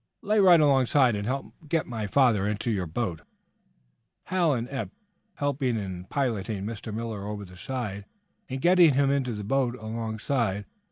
"Lay right alongside, and help get my father into your boat." Hal and Eph helped in piloting Mr. Miller over the side and getting him into the boat alongside.